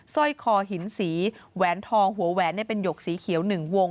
สร้อยคอหินสีแหวนทองหัวแหวนเป็นหยกสีเขียว๑วง